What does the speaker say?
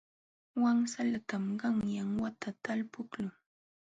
Wansalatam qanyan wata talpuqlun.